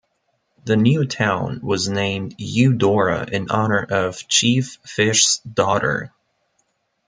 The new town was named Eudora in honor of Chief Fish's daughter.